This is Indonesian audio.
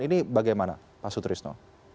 ini bagaimana pak sutrisno